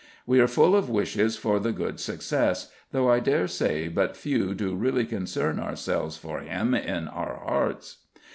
We are full of wishes for the good success, though I dare say but few do really concern ourselves for him in our hearts.